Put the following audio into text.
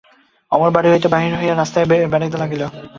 অমল বাড়ি হইতে বাহির হইয়া রাস্তায় বেড়াইতে লাগিল।